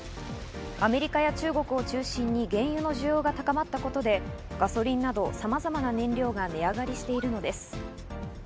アメリカや中国を中心に原油の需要が高まったことでガソリンなどさまざまな燃料が値上がりしているのです。